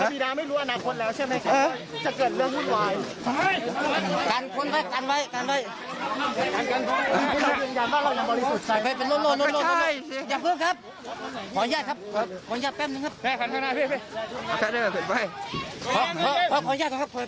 พร้อมไปด้วยพี่พร้อมไปด้วย